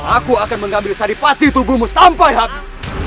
aku akan mengambil sari pati tubuhmu sampai habis